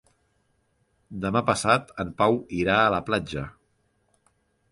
Demà passat en Pau irà a la platja.